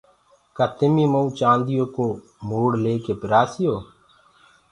ڪآ تمي مئو چآنديو ڪي موڙ ليڪي پرآسيو